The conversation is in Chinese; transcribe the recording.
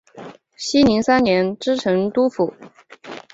熙宁三年知成都府。